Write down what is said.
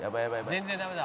「全然ダメだ」